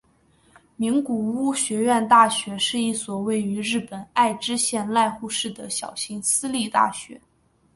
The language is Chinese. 名古屋学院大学是一所位于日本爱知县濑户市的小型私立大学。